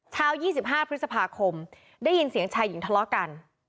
เช้า๒๕พฤษภาคมได้ยินเสียงชายหญิงทะเลาะกัน